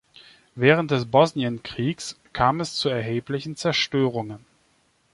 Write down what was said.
Während des Bosnienkriegs kam es zu erheblichen Zerstörungen.